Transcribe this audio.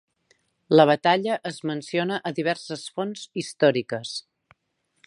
La batalla es menciona a diverses fonts històriques.